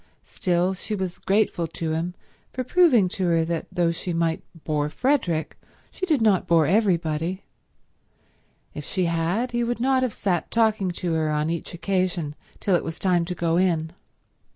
Still, she was grateful to him for proving to her that though she might bore Frederick she did not bore everybody; if she had, he would not have sat talking to her on each occasion till it was time to go in.